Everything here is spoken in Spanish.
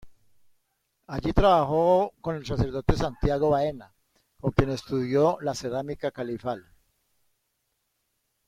Allí trabajó con el sacerdote Santiago Baena, con quien estudió la cerámica califal.